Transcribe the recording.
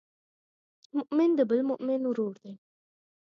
مؤمن د بل مؤمن ورور دی.